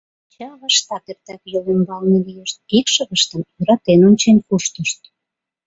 Ача-аваштат эртак йол ӱмбалне лийышт, икшывыштым йӧратен ончен куштышт.